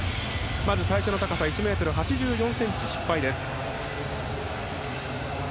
最初の高さ１ｍ８４ｃｍ失敗です。